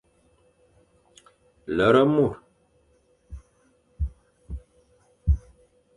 Lere mor.